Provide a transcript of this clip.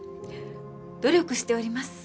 努力しております。